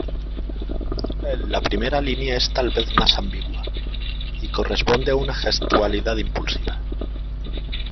La primera línea es tal vez más ambigua, y corresponde a una gestualidad, impulsiva.